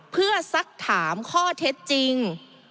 เพื่อสักถามข้อเท็จจริง